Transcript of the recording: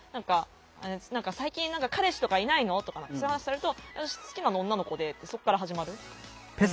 「最近彼氏とかいないの？」とかそういう話されると「私好きなの女の子で」ってそこから始まる。